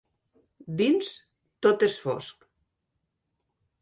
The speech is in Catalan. Dins tot és fosc.